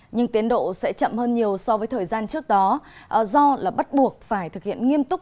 nhưng tiến độ sẽ chậm hơn nhiều so với thời gian trước đó do là bắt buộc phải thực hiện nghiêm túc